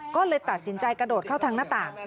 ก็เลยตัดสินใจกระโดดเข้าทางหน้าโรงเรียน